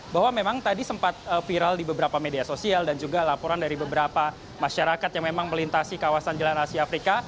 bahwa memang tadi sempat viral di beberapa media sosial dan juga laporan dari beberapa masyarakat yang memang melintasi kawasan jalan asia afrika